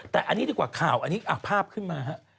แต่อันนี้ดีกว่าข่าวอันนี้ภาพขึ้นมาฮะ